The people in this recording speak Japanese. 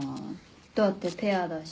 だってペアだし。